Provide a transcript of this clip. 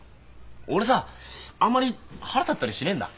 俺さあんまり腹立ったりしねえんだ。